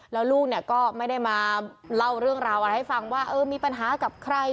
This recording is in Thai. แล้วลูกเนี่ยก็ไม่ได้มาเล่าเรื่องราวอะไรให้ฟังว่ามีปัญหากับใคร